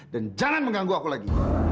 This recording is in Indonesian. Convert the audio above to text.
jangan mengganggu aku lagi